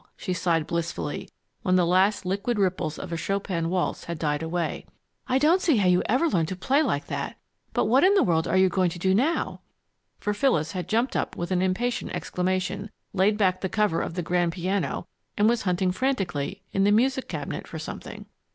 she sighed blissfully when the last liquid ripples of a Chopin waltz had died away. "I don't see how you ever learned to play like that! But what in the world are you going to do now?" For Phyllis had jumped up with an impatient exclamation, laid back the cover of the grand piano, and was hunting frantically in the music cabinet for something.